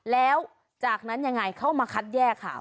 แล้วจากนั้นยังไงเข้ามาคัดแยกค่ะ